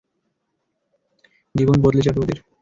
জীবন বদলে যাবে ওদের।